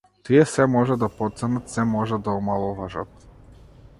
Тие сѐ можат да потценат, сѐ можат да омаловажат.